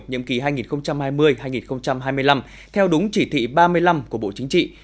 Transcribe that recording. nhiệm kỳ hai nghìn hai mươi hai nghìn hai mươi năm theo đúng chỉ thị ba mươi năm của bộ chính trị